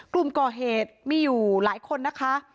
กลุ่มก่อเหตุมีอยู่หลายคนนะคะ